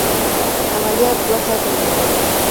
عملیات دوه ساعته ونیول.